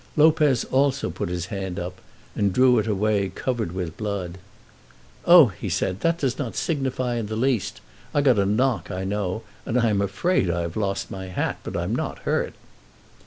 Lopez also put his hand up, and drew it away covered with blood. "Oh," said he, "that does not signify in the least. I got a knock, I know, and I am afraid I have lost my hat, but I'm not hurt."